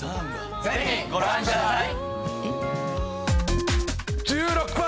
ぜひご覧ください！